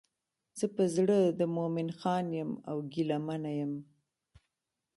زه په زړه د مومن خان یم او ګیله منه یم.